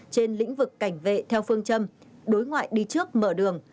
trên lĩnh vực cảnh vệ theo phương châm đối ngoại đi trước mở đường